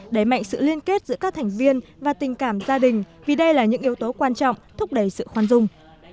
đẩy mạnh sự liên kết giữa các thành viên và tình cảm gia đình vì đây là những yếu tố quan trọng thúc đẩy sự khoan dung